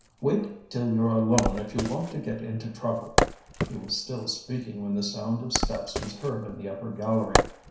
Wait till you're alone if you want to get into trouble." He was still speaking when the sound of steps was heard in the upper gallery.